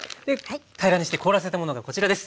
平らにして凍らせたものがこちらです。